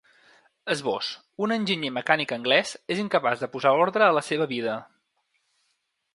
Esbós: Un enginyer mecànic anglès és incapaç de posar ordre a la seva vida.